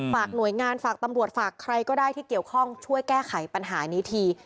ฝากหน่วยงานฝากตำรวจฝากใครก็ได้ที่เกี่ยวข้องช่วยแก้ไขปัญหานี้ที